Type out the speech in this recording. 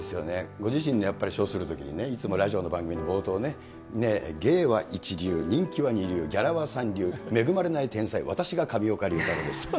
ご自身のやっぱり称するときに、いつもラジオの番組で冒頭ね、芸は一流、人気は二流、ギャラは三流、恵まれない天才、私が上岡龍太郎です。